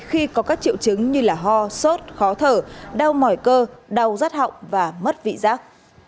khi có các triệu chứng như ho sốt khó thở đau mỏi cơ đau rắt họng và mất vị giác